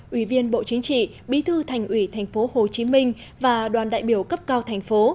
ủy viên bộ chính trị bí thư thành ủy tp hcm và đoàn đại biểu cấp cao thành phố